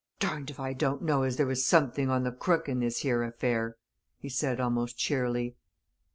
"Darned if I don't know as there was something on the crook in this here affair!" he said, almost cheerily.